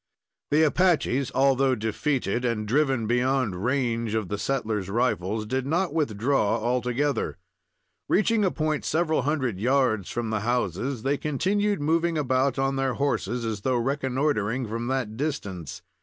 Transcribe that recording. The Apaches, although defeated, and driven beyond range of the settlers' rifles, did not withdraw altogether. Reaching a point several hundred yards from the houses, they continued moving about on their horses, as though reconnoitering from that distance.